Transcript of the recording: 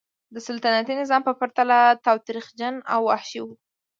د سلطنتي نظام په پرتله تاوتریخجن او وحشي و.